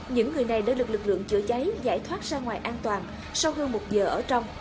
những người này đã được lực lượng chữa cháy giải thoát ra ngoài an toàn sau hơn một giờ ở trong